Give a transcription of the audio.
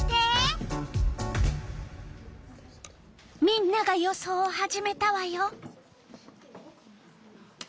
みんなが予想を始めたわよ！